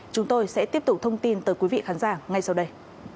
chúng tôi sẽ tiếp tục thông tin tới quý vị khán giả ngay sau đây